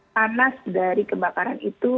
panas dari kebakaran itu